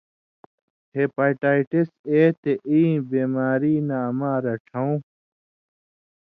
ہیپاٹائٹس اے تے ای بیماری نہ اما رڇھؤں